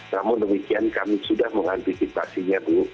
namun demikian kami sudah mengantisipasinya bu